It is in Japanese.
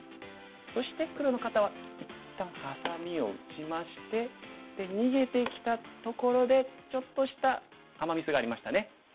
そして黒の方は一旦ハサミを打ちましてで逃げてきたところでちょっとしたアマ・ミスがありましたね。